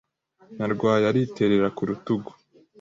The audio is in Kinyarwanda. Nyarwaya ariterera ku rutugu